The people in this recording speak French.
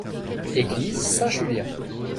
Église Saint-Julien.